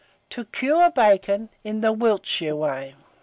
TO CURE BACON IN THE WILTSHIRE WAY.